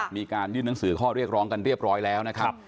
มีการยื่นหนังสือข้อเรียกร้องกันเรียบร้อยแล้วนะครับ